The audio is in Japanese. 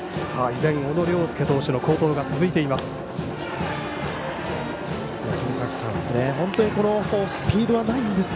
依然、小野涼介投手の好投が続いています。